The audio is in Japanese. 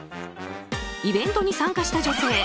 イベントに参加した女性